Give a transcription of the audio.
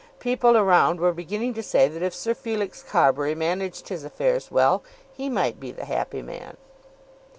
People around were beginning to say that if Sir Felix Carbury managed his affairs well he might be the happy man.